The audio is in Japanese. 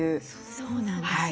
そうなんですよ。